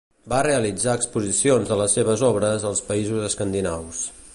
Va realitzar exposicions de les seves obres als Països Escandinaus.